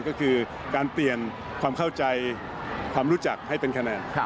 ก็คือการเปลี่ยนความเข้าใจความรู้จักให้เป็นคะแนน